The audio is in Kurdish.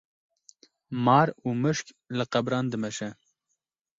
Mar û mişk li qebran dimeşe